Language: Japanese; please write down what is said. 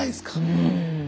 うん。